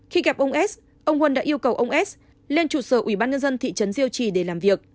khi gặp ông s ông huân đã yêu cầu ông s lên trụ sở ủy ban nhân dân thị trấn diêu trì để làm việc